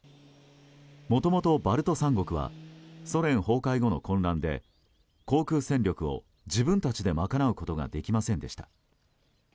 もともとバルト三国はソ連崩壊後の混乱で航空戦力を自分たちで賄うことができませんでした。